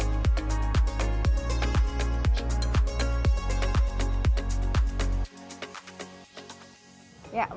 makanan tahu campur